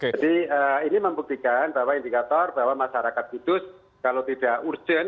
jadi ini membuktikan bahwa indikator bahwa masyarakat kudus kalau tidak urgen